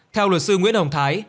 theo luật sư nguyễn hồng thái